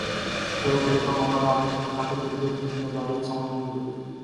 شعیب ملک کو محمد عامر کی اخلاقی تربیت کی ذمہ داری سونپ دی گئی